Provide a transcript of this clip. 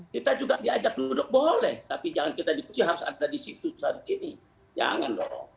kita juga diajak duduk boleh tapi jangan kita dikucil harus ada di situ saat ini jangan dong